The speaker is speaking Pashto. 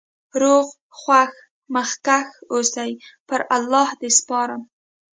روغ خوښ مخکښ اوسی.پر الله د سپارم